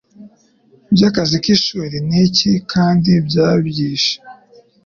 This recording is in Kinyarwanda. Bya akazi k'ishuri n'icyi kandi cyabyishe